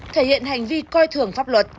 thể hiện hành vi coi thường pháp luật